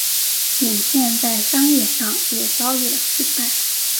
影片在商业上也遭遇了失败。